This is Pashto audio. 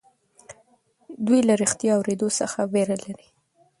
دوی له رښتيا اورېدو څخه وېره لري.